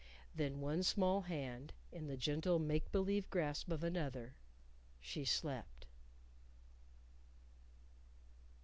Then one small hand in the gentle make believe grasp of another, she slept.